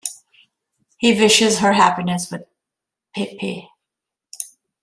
He wishes her happiness with Pepe.